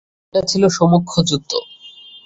এটা ছিল সম্মুখ যুদ্ধ।